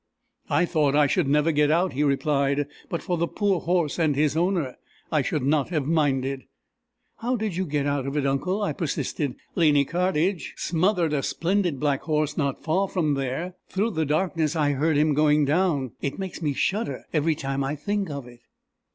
"I thought I should never get out!" he replied. "But for the poor horse and his owner, I should not have minded." "How did you get out of it, uncle?" I persisted. "Lady Cairnedge smothered a splendid black horse not far from there. Through the darkness I heard him going down. It makes me shudder every time I think of it."